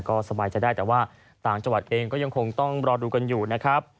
ก็สบายใจได้แต่ว่าต่างจังหวัดเองก็ยังคงต้องรอดูกันอยู่นะครับ